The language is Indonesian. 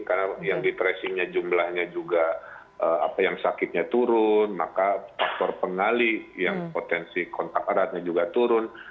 karena yang di tracingnya jumlahnya juga apa yang sakitnya turun maka faktor pengali yang potensi kontak eratnya juga turun